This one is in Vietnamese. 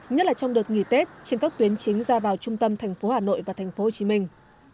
nhất là trong đợt nghỉ tết trên các tuyến chính ra vào trung tâm thành phố hà nội và thành phố hồ chí minh